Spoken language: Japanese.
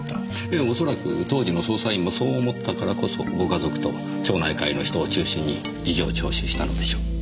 ええおそらく当時の捜査員もそう思ったからこそご家族と町内会の人を中心に事情聴取したのでしょう。